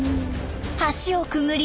橋をくぐり